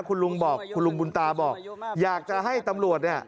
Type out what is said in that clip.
คุณลุงบอกคุณลุงบุญตาบอกอยากจะให้ตำรวจเนี่ย